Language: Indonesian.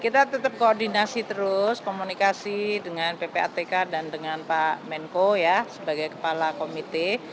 kita tetap koordinasi terus komunikasi dengan ppatk dan dengan pak menko sebagai kepala komite